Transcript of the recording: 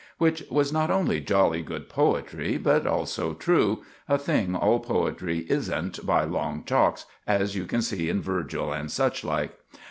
Which was not only jolly good poetry, but also true a thing all poetry isn't by long chalks, as you can see in Virgil and such like.